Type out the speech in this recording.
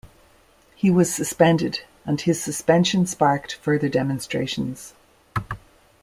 He was suspended and his suspension sparked further demonstrations.